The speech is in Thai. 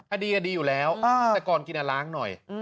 ดีอยู่แล้วแต่ก่อนกินล้างหน่อย